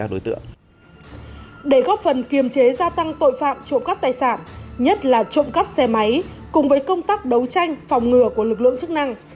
để góp phần kiềm chế gia tăng tội phạm trộm cắp tài sản nhất là trộm cắp xe máy cùng với công tác đấu tranh phòng ngừa của lực lượng chức năng